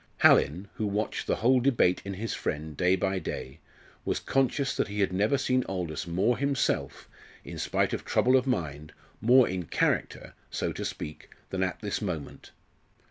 Hallin, who watched the whole debate in his friend day by day, was conscious that he had never seen Aldous more himself, in spite of trouble of mind; more "in character," so to speak, than at this moment.